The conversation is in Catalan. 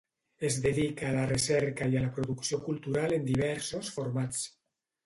Es dedica a la recerca i a la producció cultural en diversos formats.